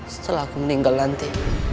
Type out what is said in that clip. setelah aku meninggal nanti